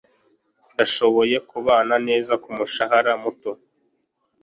Ndashoboye kubana neza kumushahara muto.